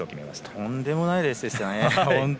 とんでもないレースでしたね。